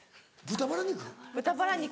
豚バラ肉？